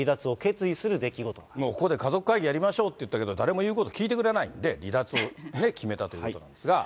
もう、ここで家族会議やりましょうっていったけど、誰も言うこと聞いてくれないんで、離脱を決めたということなんですが。